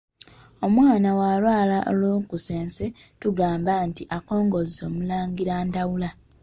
Omwana bw’alwala olukusense tugamba nti akongozze omulangira Ndawula.